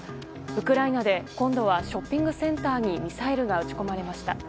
ウクライナで今度はショッピングセンターにミサイルが撃ち込まれました。